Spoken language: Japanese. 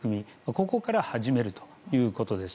ここから始めるということです。